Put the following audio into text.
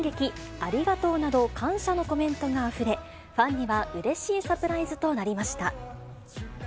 ありがとう！など感謝のコメントがあふれ、ファンにはうれしいサプライズとなりました。